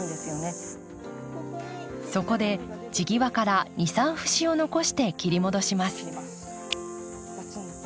そこで地際から２３節を残して切り戻します。